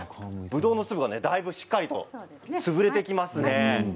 ぶどうの粒がだいぶしっかりと潰れてきますね。